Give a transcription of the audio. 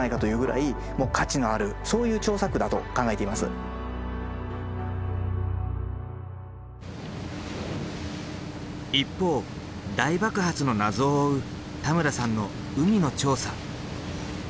そのことを考えると一方大爆発の謎を追う田村さんの海の調査。